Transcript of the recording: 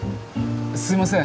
すいません。